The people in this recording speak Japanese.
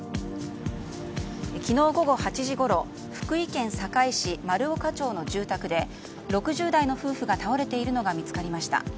昨日午後８時ごろ福井県坂井市丸岡町の住宅で６０代の夫婦が倒れているのが見つかりました。